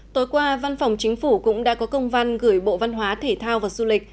tối qua văn phòng chính phủ cũng đã có công văn gửi bộ văn hóa thể thao và du lịch